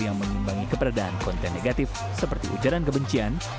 yang mengimbangi keberadaan konten negatif seperti ujaran kebencian